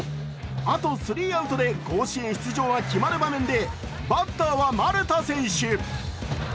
あとスリーアウトで甲子園出場が決まる場面でバッターは丸田選手。